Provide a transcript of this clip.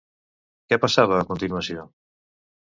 Què passava a continuació?